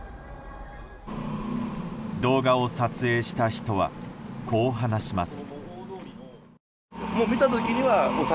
動画を撮影した人はこう話します。